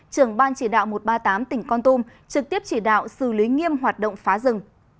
trưởng ban chỉ đạo một trăm ba mươi tám tỉnh con tum trực tiếp chỉ đạo xử lý nghiêm hoạt động phá rừng